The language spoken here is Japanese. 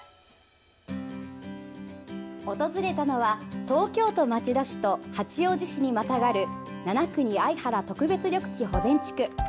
訪れたのは東京都町田市と八王子市にまたがる七国・相原特別緑地保全地区。